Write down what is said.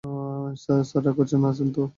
Sir রাগ করে আছেন কেন?